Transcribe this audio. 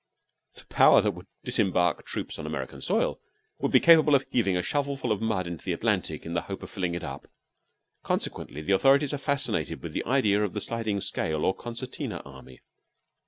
The Power that would disembark troops on American soil would be capable of heaving a shovelful of mud into the Atlantic in the hope of filling it up. Consequently, the authorities are fascinated with the idea of the sliding scale or concertina army.